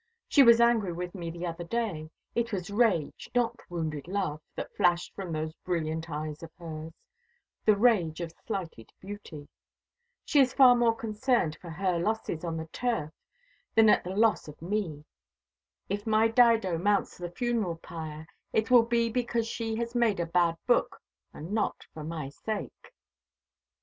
She was angry with me the other day. It was rage, not wounded love, that flashed from those brilliant eyes of hers; the rage of slighted beauty. She is far more concerned for her losses on the turf than at the loss of me. If my Dido mounts the funeral pyre, it will be because she has made a bad book, and not for my sake."